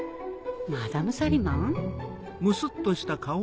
マダム・サリマン？